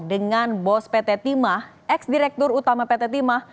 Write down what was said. dengan bos pt timah ex direktur utama pt timah